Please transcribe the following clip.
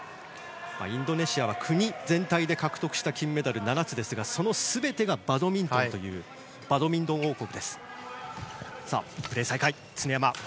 インドネシアは国全体で獲得した金メダルは７つですがその全てがバドミントンというバドミントン王国です。